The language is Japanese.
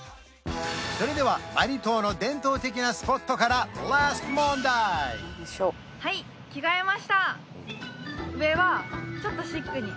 それではバリ島の伝統的なスポットからラスト問題はい似合うね